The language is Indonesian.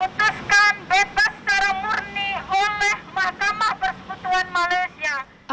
putuskan bebas secara murni oleh mahkamah persekutuan malaysia